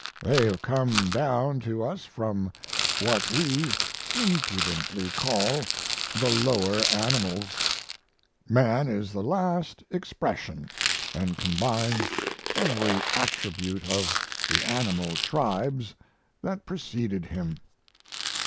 They have come down to us from what we impudently call the lower animals. Man is the last expression, and combines every attribute of the animal tribes that preceded him.